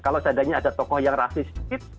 kalau seandainya ada tokoh yang rasis sedikit